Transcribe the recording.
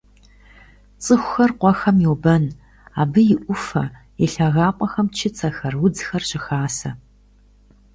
ЦӀыхухэр къуэхэм йобэн: абы и Ӏуфэ, и лъагапӀэхэм чыцэхэр, удзхэр щыхасэ.